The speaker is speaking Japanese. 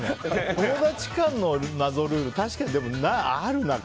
友達間の謎ルール、確かにあるな。